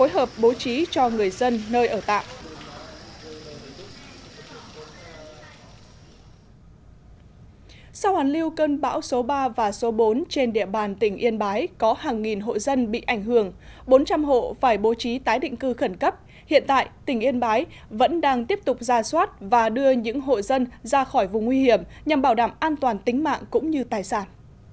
bốn trăm linh hộ phải bố trí tái định cư khẩn cấp hiện tại tỉnh yên bái vẫn đang tiếp tục ra soát và đưa những hộ dân ra khỏi vùng nguy hiểm nhằm bảo đảm an toàn tính mạng cũng như tài sản